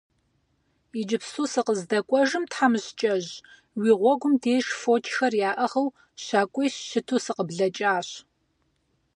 Иджыпсту сыкъыздэкӀуэжым, тхьэмыщкӀэжь, уи гъуэгум деж фочхэр яӀыгъыу щакӀуищ щыту сыкъыблэкӀащ.